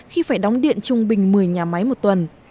khi phải đóng điện trung bình một mươi nhà máy một tuần